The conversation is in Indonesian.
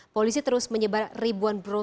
polisi terus menyebar ribuan bro